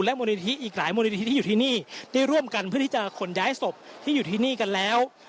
มูลนิธิอีกหลายมูลนิธิที่อยู่ที่นี่ได้ร่วมกันเพื่อที่จะขนย้ายศพที่อยู่ที่นี่กันแล้ว